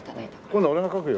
今度俺が描くよ。